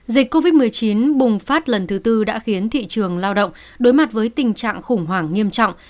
dịch covid một mươi chín bùng phát lần thứ tư đã khiến thị trường lao động đối mặt với tình trạng khủng hoảng nghiêm trọng